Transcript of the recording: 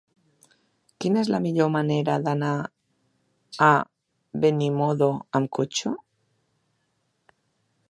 Quina és la millor manera d'anar a Benimodo amb cotxe?